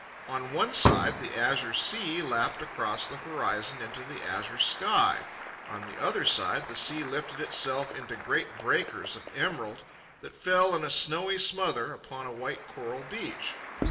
On one side the azure sea lapped across the horizon into the azure sky; on the other side the sea lifted itself into great breakers of emerald that fell in a snowy smother upon a white coral beach.